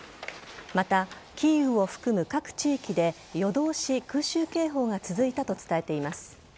また、キーウを含む各地域で夜通し空襲警報が続いたと伝えています。